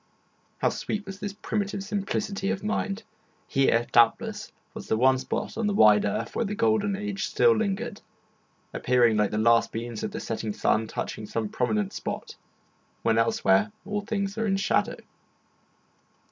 How sweet was this primitive simplicity of mind! Here, doubtless, was the one spot on the wide earth where the golden age still lingered, appearing like the last beams of the setting sun touching some prominent spot, when elsewhere all things are in shadow.